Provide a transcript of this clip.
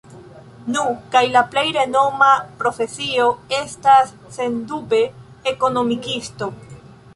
Nu, kaj la plej renoma profesio estas, sendube, Ekonomikisto.